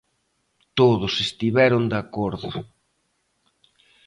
Todos estiveron de acordo.